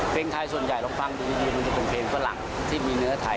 เพลงไทยส่วนใหญ่ลองฟังดูดีมันจะเป็นเพลงฝรั่งที่มีเนื้อไทย